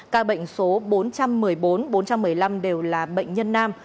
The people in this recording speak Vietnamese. ca bệnh số bốn trăm một mươi bốn bốn trăm một mươi năm đều là bệnh nhân nam